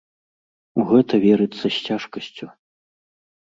У гэта верыцца з цяжкасцю.